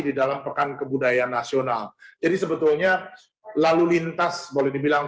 di dalam pekan kebudayaan nasional jadi sebetulnya lalu lintas boleh dibilang